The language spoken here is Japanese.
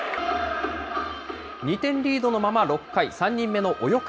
２点リードのまま６回、３人目の及川。